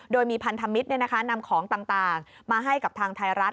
โดยมีพันธมิตรนำของต่างมาให้กับทางไทยรัฐ